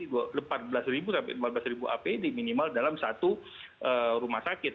empat belas ribu sampai lima belas ribu apd minimal dalam satu rumah sakit